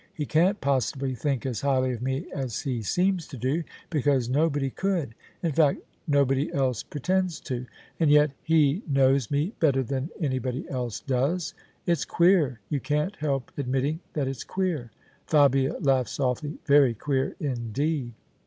He can't possibly think as highly of me as he seems to do, because nobody could: in fact nobody eke pretends to. And yet he knows THE SUBJECTION me better than anybody else does. It's queer I You can't help admitting that it's queer 1 " Fabia laughed softly. " Very queer indeed